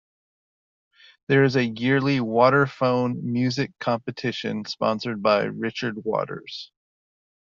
There is a yearly "Waterphone Music Competition" sponsored by Richard Waters.